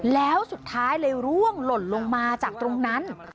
แล้วสุดท้ายเลยร่วงหล่นลงมาจากตรงนั้น